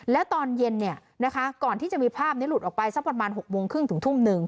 แล้วตอนเย็นก่อนที่จะมีภาพนี้หลุดออกไปสักประมาณ๖โมงครึ่งถึงทุ่มหนึ่ง